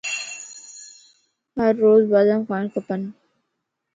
ھر روز بادام کاڻ کپن